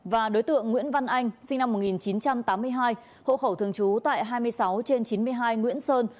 và đối tượng nguyễn văn anh sinh năm một nghìn chín trăm tám mươi hai hộ khẩu thường trú tại hai mươi sáu trên chín mươi hai nguyễn sơn